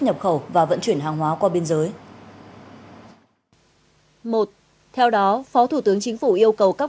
nhập khẩu và vận chuyển hàng hóa qua biên giới theo đó phó thủ tướng chính phủ yêu cầu các